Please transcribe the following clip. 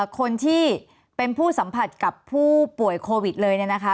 คนที่เป็นผู้สัมผัสกับผู้ป่วยโควิดเลยเนี่ยนะคะ